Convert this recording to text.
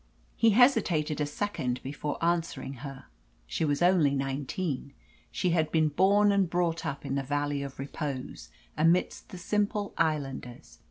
He hesitated a second before answering her. She was only nineteen; she had been born and brought up in the Valley of Repose amidst the simple islanders.